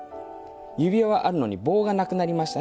指輪はあるのに棒がなくなりましたね。